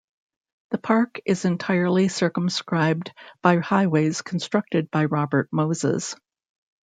The park is entirely circumscribed by highways constructed by Robert Moses.